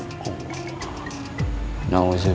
tidak ada ilmu